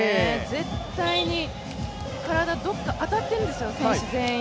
絶対に体、どこか当たっているんですよ、選手全員。